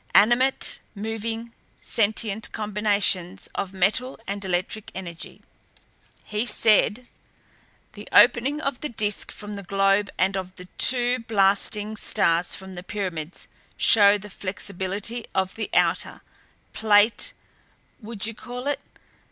Animate, moving, sentient combinations of metal and electric energy." He said: "The opening of the Disk from the globe and of the two blasting stars from the pyramids show the flexibility of the outer plate would you call it?